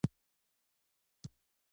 • زوی د پلار د عزت ستن وي.